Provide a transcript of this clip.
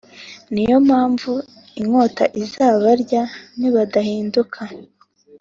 niyo mpamvu inkota izabarya nibadahinduka